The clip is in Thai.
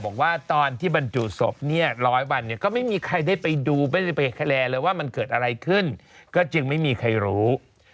สนุนโดยอีซูซูดีแมคบลูพาวเวอร์นวัตกรรมเปลี่ยนโลก